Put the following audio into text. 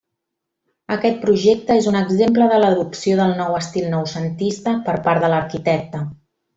Aquest projecte és un exemple de l'adopció del nou estil noucentista per part de l'arquitecte.